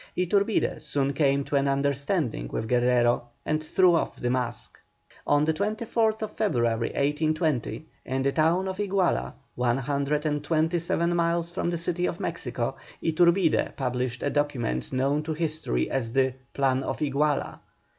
Iturbide soon came to an understanding with Guerrero and threw off the mask. On the 24th February, 1820, in the town of Iguala, one hundred and twenty seven miles from the city of Mexico, Iturbide published a document known to history as the "Plan of Iguala."